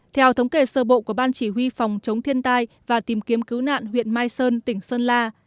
theo thống kê sơ bộ của ban chỉ huy phòng chống thiên tai và tìm kiếm cứu nạn huyện mai sơn tỉnh sơn la